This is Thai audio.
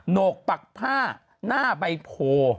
โหนกปักผ้าหน้าใบโพ